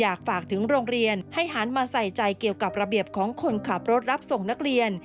อยากฝากถึงโรงเรียนให้หันมาใส่ใจเกี่ยวกับระเบียบของคนขับรถรับส่งนักเรียน